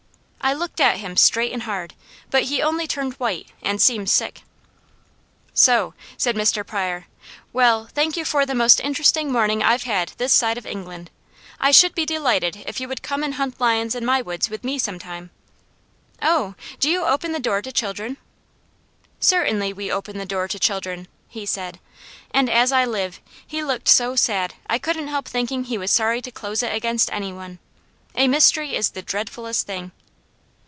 '" I looked at him straight and hard, but he only turned white and seemed sick. "So?" said Mr. Pryor. "Well, thank you for the most interesting morning I've had this side England. I should be delighted if you would come and hunt lions in my woods with me some time." "Oh, do you open the door to children?" "Certainly we open the door to children," he said, and as I live, he looked so sad I couldn't help thinking he was sorry to close it against any one. A mystery is the dreadfulest thing.